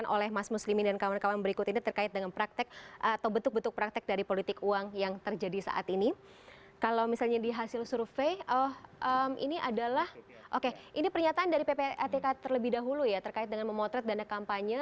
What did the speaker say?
oke ini pernyataan dari ppatk terlebih dahulu ya terkait dengan memotret dana kampanye